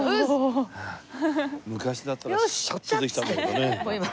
昔だったらシャッとできたんだけどね。